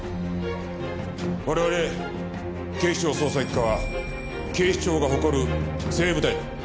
我々警視庁捜査一課は警視庁が誇る精鋭部隊だ。